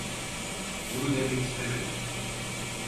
Bunu demek istemedim.